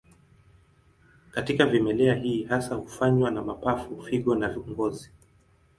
Katika vimelea hii hasa hufanywa na mapafu, figo na ngozi.